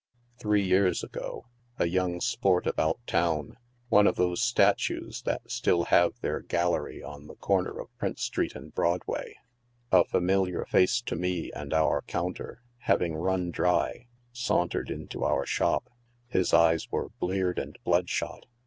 Three years ago, a young sport about town, one of those statues ihat still have their gallery on the corner of Prince street and Broadway — a familiar face to me and our counter, having run dry , sauntered into our shop. Bis eyes were bleared and bloodshot.